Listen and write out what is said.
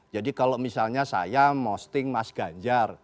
jadi kalau misalnya saya posting mas ganjar